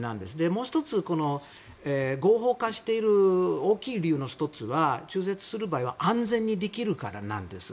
もう１つ、合法化している大きい理由の１つは中絶する場合は安全にできるからなんです。